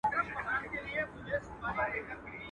چي پيل ساتې، پيل خانې به جوړوې.